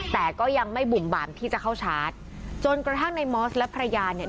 แต่ก็ยังไม่บุ่มบามที่จะเข้าชาร์จจนกระทั่งในมอสและภรรยาเนี่ย